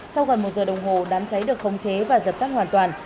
sau gần một giờ đồng hồ đám cháy được khống chế và dập tắt hoàn toàn